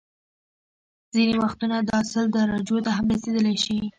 ځینې وختونه دا سل درجو ته هم رسيدلی شي